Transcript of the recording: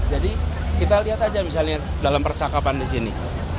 jadi kita lihat saja misalnya dalam percakapan di sini